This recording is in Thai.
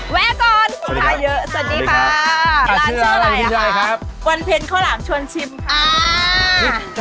แวะก่อนของค้าเยอะสวัสดีค่ะสวัสดีค่ะร้านชื่ออะไรอ่ะค่ะวันเพลงข้าวหลังชวนชิมค่ะ